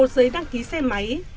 một giấy đăng ký xe máy